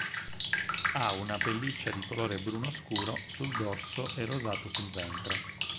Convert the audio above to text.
Ha una pelliccia di colore bruno scuro sul dorso e rosato sul ventre.